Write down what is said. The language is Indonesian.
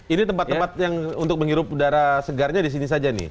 ini tempat tempat yang untuk menghirup udara segarnya di sini saja nih